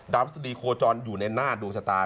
พฤษฎีโคจรอยู่ในหน้าดวงชะตา